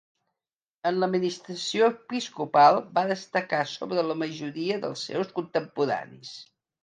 En l'administració episcopal va destacar sobre la majoria dels seus contemporanis.